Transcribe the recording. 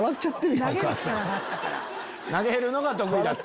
投げるのが得意だった？